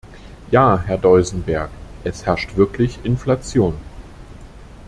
Ja, Herr Duisenberg, es herrscht wirklich Inflation!